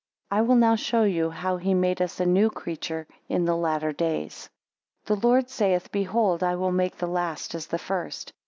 14 I will now show you, how he made us a new creature, in the latter days. 15 The Lord saith; Behold I will make the last as the first.